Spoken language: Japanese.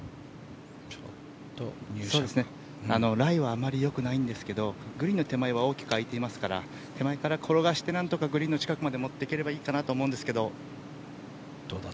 ライはあまりよくないんですけどグリーンの手前は大きく空いていますから手前から転がしてなんとかグリーンの近くまで持っていければいいと思いますが。